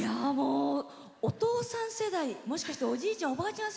お父さん世代もしかして、おじいちゃんおばあちゃん